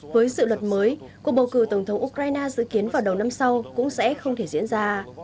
với dự luật mới cuộc bầu cử tổng thống ukraine dự kiến vào đầu năm sau cũng sẽ không thể diễn ra